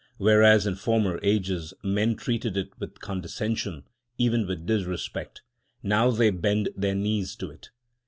Whereas in former ages men treated it with condescension, even with disrespect, now they bend their knees to it.